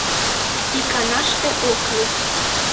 Иканаште ок лий.